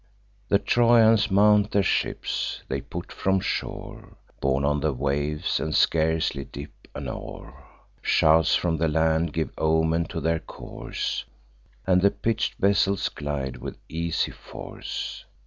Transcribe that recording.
The Trojans mount their ships; they put from shore, Borne on the waves, and scarcely dip an oar. Shouts from the land give omen to their course, And the pitch'd vessels glide with easy force.